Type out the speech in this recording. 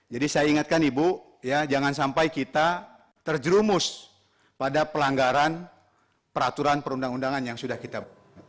jadi saya ingatkan ibu jangan sampai kita terjerumus pada pelanggaran peraturan perundang undangan yang sudah kita